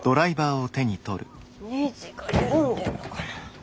ネジが緩んでるのかな？